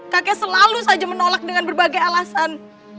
kakek selalu saja menolak dengan berbagai alasan